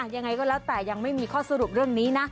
ยังไงก็แล้วแต่ยังไม่มีข้อสรุปเรื่องนี้นะ